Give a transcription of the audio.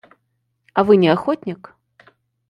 А вы не охотник?